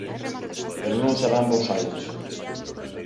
Pero non será en Bos Aires.